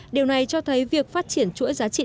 điều này cho thấy việc phát triển chuỗi giá trị nông nghiệp